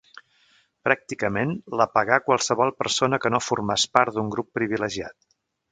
Pràcticament la pagà qualsevol persona que no formàs part d'un grup privilegiat.